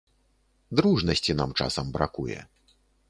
Дружнасці нам часам бракуе.